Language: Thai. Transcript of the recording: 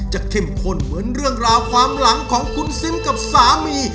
เข้มข้นเหมือนเรื่องราวความหลังของคุณซิมกับสามี